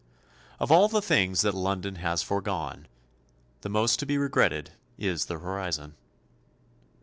Of all the things that London has foregone, the most to be regretted is the horizon.